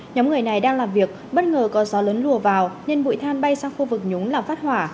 nhóm người này đang làm việc bất ngờ có gió lớn lùa vào nên bụi than bay sang khu vực nhúng là phát hỏa